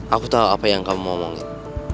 aku tau apa yang kamu mau ngomongin